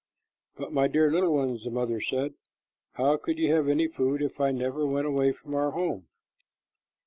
"But, my dear little ones," the mother said, "how could you have any food if I never went away from our home?"